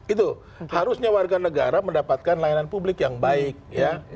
itu harusnya warga negara mendapatkan layanan publik yang baik ya